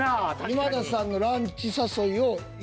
今田さんのランチ誘いをよしと。